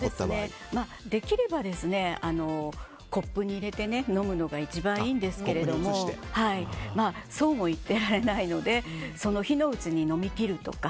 できればコップに入れて飲むのが一番いいんですけどもそうも言ってられないのでその日のうちに飲み切るとか。